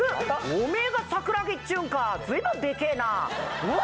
おめえが桜木っちゅうんか随分でけえなおっ！